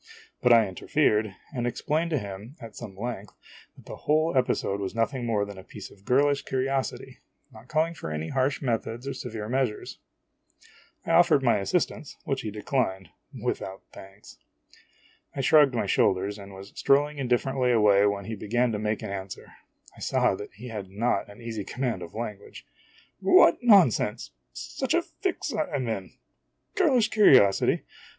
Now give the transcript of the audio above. but I interfered, and ex plained to him, at some length, that the whole episode was nothing more than a piece of girlish curiosity, not calling for any harsh methods or severe measures. I offered my assistance, which he declined, without thanks. I shrugged my shoulders and was strolling indif ferently away when he began to make an answer. I saw that he had not an easy command of lan guage. "What nonsense! such a fix I 'm in! Girlish curiosity?